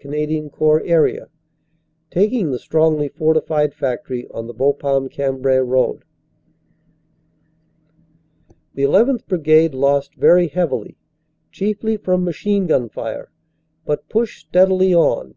27 223 Canadian Corps area, taking the strongly fortified factory on the Bapaume Cambrai road. The 1 1th. Brigade lost very heavily, chiefly from machine gun fire, but pushed steadily on.